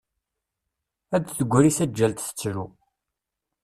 Ad d-tegri tağğalt tettru.